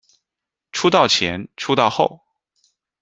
出道前出道后